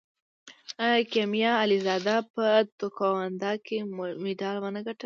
آیا کیمیا علیزاده په تکواندو کې مډال ونه ګټه؟